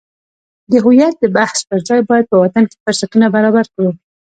د هویت د بحث پرځای باید په وطن کې فرصتونه برابر کړو.